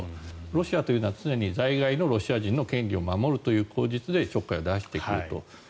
ロシアというのは常に在外のロシア人の権利を守るという口実でちょっかいを出してくると。